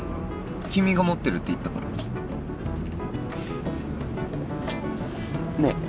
君が持ってるって言ったからねえ